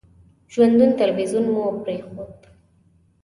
ژوندون تلویزیون مو پرېښود.